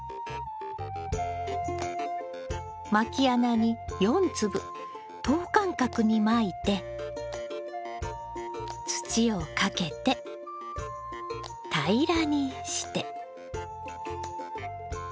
まき穴に４粒等間隔にまいて土をかけて平らにして。